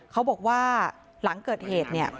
เขาบอกว่าหลังเกิดเหตุ